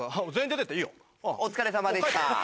お疲れさまでした。